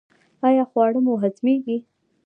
ایا خواړه مو هضمیږي؟